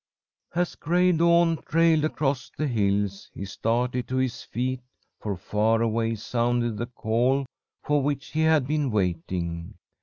"As gray dawn trailed across the hills, he started to his feet, for far away sounded the call for which he had been waiting.